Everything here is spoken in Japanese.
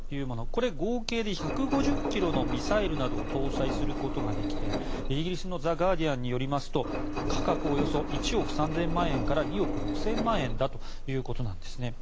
これは合計で１５０ｋｇのミサイルなどを搭載することができてイギリスのザ・ガーディアンによると価格およそ１億３０００万円から２億６０００万円だということです。